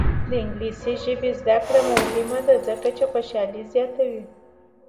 د انګلیسي ژبې زده کړه مهمه ده ځکه چې خوشحالي زیاتوي.